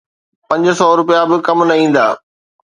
پنج سؤ رپيا به ڪم نه ايندا